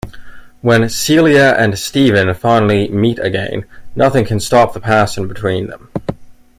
When Celia and Stephen finally meet again, nothing can stop the passion between them.